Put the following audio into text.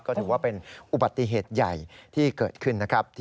ก็ถือว่าเป็นอุบัติเหตุใหญ่ที่เกิดขึ้นนะครับ